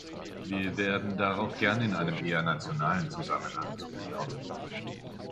Wir werden darauf gern in einem eher nationalen Zusammenhang zurückkommen.